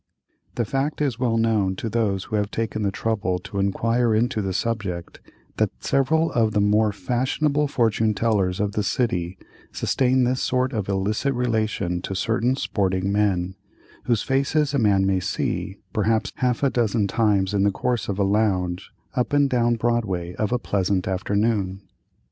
The fact is well known to those who have taken the trouble to inquire into the subject, that several of the more fashionable fortune tellers of the city sustain this sort of illicit relation to certain "sporting men," whose faces a man may see, perhaps, half a dozen times in the course of a lounge up and down Broadway of a pleasant afternoon.